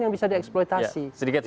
yang bisa dieksploitasi